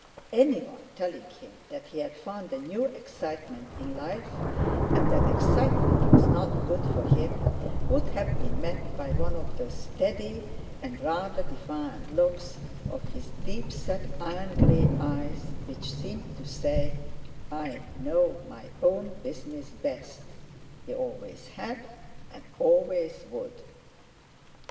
Anyone telling him that he had found a new excitement in life and that excitement was not good for him, would have been met by one of those steady and rather defiant looks of his deep set iron grey eyes, which seemed to say: "I know my own business best." He always had and always would.